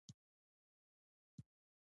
په افغانستان کې د مورغاب سیند منابع شته.